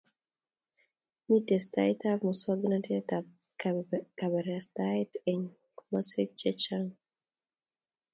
Mi tesetaet ab masongnatet ab kabeberstate enh komaswek che chang